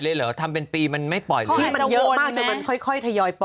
เดี๋ยวมันไม่ติดปล่อยเลยเหรอ